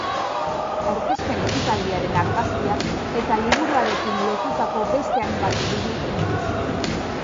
Aurkezpen ekitaldiaren argazkiak eta liburuarekin lotutako beste hainbat irudi, hemen.